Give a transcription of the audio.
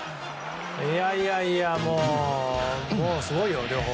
いやいやいや、すごいよ両方。